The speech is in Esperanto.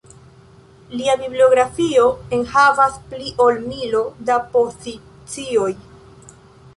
Lia bibliografio enhavas pli ol milo da pozicioj.